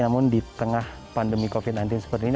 namun di tengah pandemi covid sembilan belas seperti ini